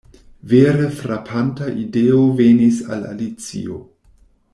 Vere frapanta ideo venis al Alicio.